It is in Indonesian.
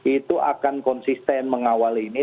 itu akan konsisten mengawal ini